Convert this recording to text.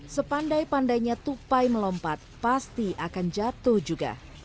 sepandai pandainya tupai melompat pasti akan jatuh juga